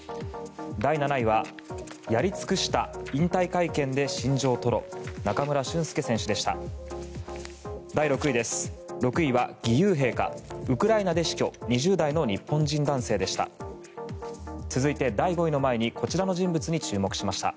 第７位は、やり尽くした引退会見で心情吐露中村俊輔選手でした。